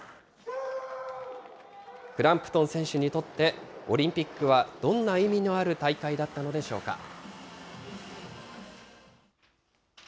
クランプトン選手にとって、オリンピックはどんな意味のある大会だったのでしょうか。